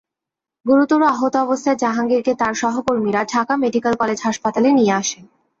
গুরুতর আহত অবস্থায় জাহাঙ্গীরকে তাঁর সহকর্মীরা ঢাকা মেডিকেল কলেজ হাসপাতালে নিয়ে আসেন।